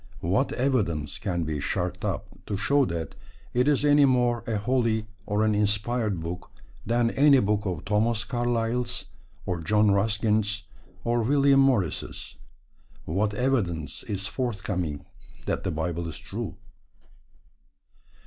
What evidence can be sharked up to show that it is any more a holy or an inspired book than any book of Thomas Carlyle's, or John Ruskin's, or William Morris'? What evidence is forthcoming that the Bible is true?